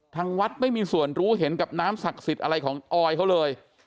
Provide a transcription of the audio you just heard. ทางวัดไม่มีส่วนรู้เห็นกับน้ำศักดิ์สิทธิ์อะไรของออยเขาเลย